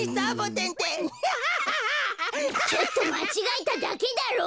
ちょっとまちがえただけだろ！